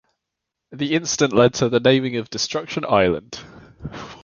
The incident led to the naming of Destruction Island.